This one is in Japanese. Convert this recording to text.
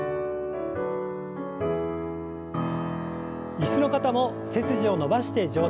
椅子の方も背筋を伸ばして上体を前に。